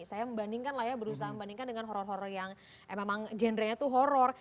saya membandingkan lah ya berusaha membandingkan dengan horror horror yang emang genrenya itu horror